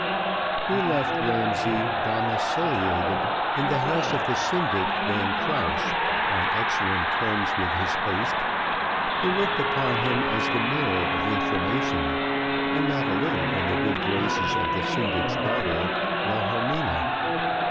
We left Ramsay domiciliated in the house of the syndic Van Krause, on excellent terms with his host, who looked upon him as the mirror of information, and not a little in the good graces of the syndic's daughter, Wilhelmina.